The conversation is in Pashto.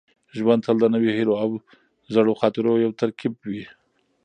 ژوند تل د نویو هیلو او زړو خاطرو یو ترکیب وي.